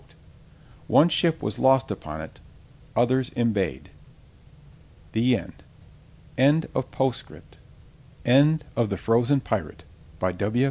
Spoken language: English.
One ship was lost upon it: others embayed. THE END. End of the Project Gutenberg EBook of The Frozen Pirate, by W.